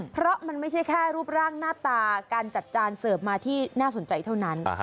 เพราะมันไม่ใช่แค่รูปร่างหน้าตาการจัดจานเสิร์ฟมาที่น่าสนใจเท่านั้น